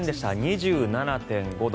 ２７．５度。